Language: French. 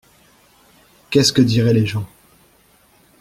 Qu’est-ce que diraient les gens !